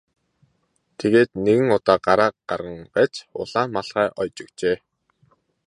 Тэгээд нэгэн удаа гараа гарган байж улаан малгай оёж өгчээ.